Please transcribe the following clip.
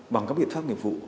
bằng các biện pháp nghiệp vụ